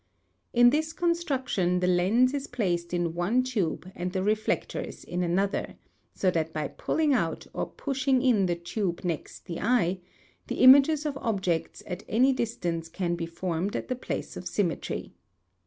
In this construction the lens is placed in one tube and the reflectors in another ; so that by pulling out or pushing in the tube next the eye, the images of objects at any distance can be formed at the place of symmetry.